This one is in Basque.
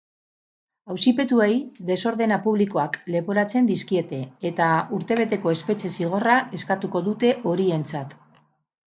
Auzipetuei desordena publikoak leporatzen dizkiete, eta urtebeteko espetxe-zigorra eskatuko dute horientzat.